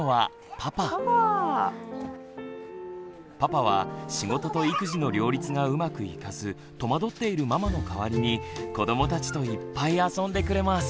パパは仕事と育児の両立がうまくいかず戸惑っているママの代わりに子どもたちといっぱい遊んでくれます。